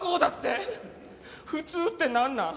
普通ってなんなん？